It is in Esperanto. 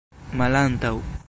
malantaŭ